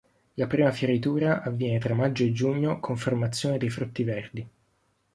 La prima fioritura avviene tra maggio e giugno con formazione dei frutti verdi.